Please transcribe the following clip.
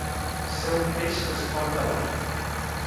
Ser un peix que es porta l'oli.